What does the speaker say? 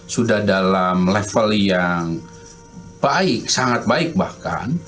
sudah dalam level yang baik sangat baik bahkan